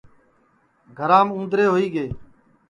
گھرام اُوندرے ہوئی گے